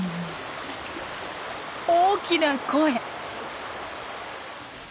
大きな声。